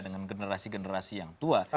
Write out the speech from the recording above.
dengan generasi generasi yang tua